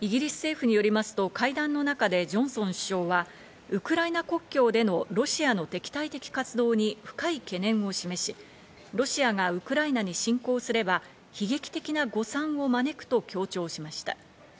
イギリス政府によりますと会談の中でジョンソン首相は、ウクライナ国境でのロシアの敵対的活動に深い懸念を示し、ロシアがウクライナに侵攻すれば悲劇的な誤算を招くと強調しました。